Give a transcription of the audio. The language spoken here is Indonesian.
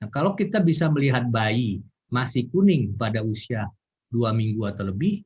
kalau kita bisa melihat bayi masih kuning pada usia dua minggu atau lebih